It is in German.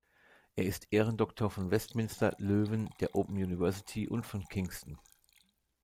Er ist Ehrendoktor von Westminster, Löwen, der Open University und von Kingston.